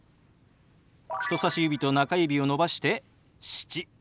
人さし指と中指を伸ばして「７」。